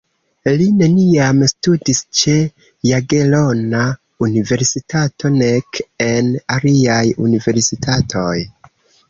Li neniam studis ĉe Jagelona Universitato nek en aliaj universitatoj.